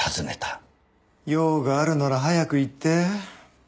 用があるなら早く言って。